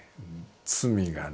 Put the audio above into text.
罪がね